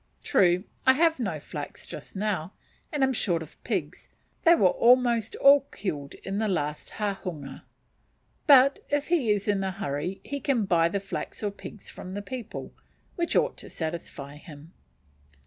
True, I have no flax just now, and am short of pigs, they were almost all killed at the last hahunga; but if he is in a hurry he can buy the flax or pigs from the people, which ought to satisfy him.